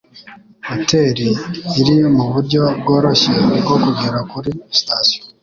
Hoteri iri muburyo bworoshye bwo kugera kuri sitasiyo.